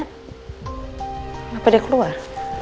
kenapa dia keluar